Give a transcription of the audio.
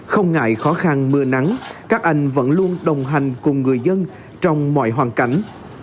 không ngại khó khăn mưa nắng các anh vẫn luôn đồng hành cùng người dân trong mọi hoàn cảnh